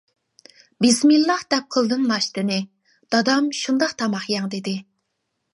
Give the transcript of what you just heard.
بىسمىللا دەپ قىلدىم ناشتىنى، دادام شۇنداق تاماق يەڭ دېدى.